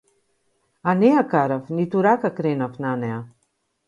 А не ја карав ниту рака кренав на неа.